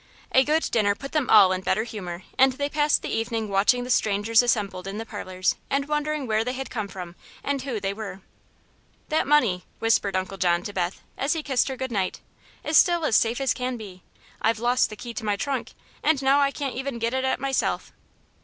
A good dinner put them all in a better humor and they passed the evening watching the strangers assembled in the parlors and wondering where they had come from and who they were. "That money," whispered Uncle John to Beth, as he kissed her good night, "is still as safe as can be. I've lost the key to my trunk, and now I can't even get at it myself."